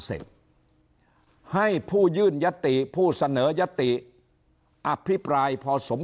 เสร็จให้ผู้ยื่นยติผู้เสนอยติอภิปรายพอสม